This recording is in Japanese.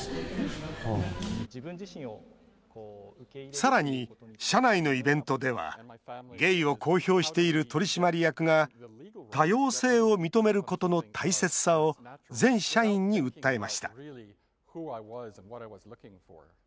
さらに社内のイベントではゲイを公表している取締役が多様性を認めることの大切さを全社員に訴えました